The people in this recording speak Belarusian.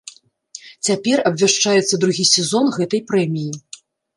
Цяпер абвяшчаецца другі сезон гэтай прэміі.